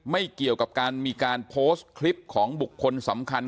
ไม่เกี่ยวกับการมีการโพสต์คลิปของบุคคลสำคัญ